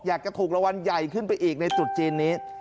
อยากจะถูกรางวัลใหญ่ขึ้นไปอีกในจุดจีนนี้